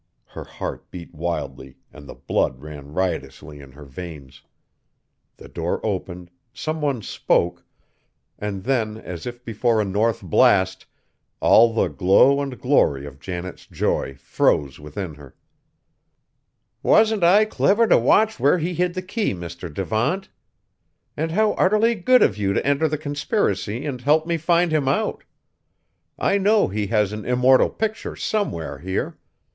Her heart beat wildly and the blood ran riotously in her veins. The door opened, some one spoke; and then, as if before a north blast, all the glow and glory of Janet's joy froze within her! "Wasn't I clever to watch where he hid the key, Mr. Devant? And how utterly good of you to enter the conspiracy and help me find him out! I know he has an immortal picture somewhere here!